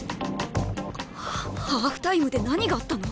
ハーフタイムで何があったの？